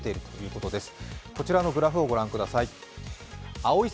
こちらのグラフを御覧ください。